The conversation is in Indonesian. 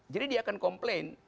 jadi dia akan komplain